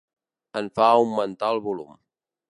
En fa augmentar el volum.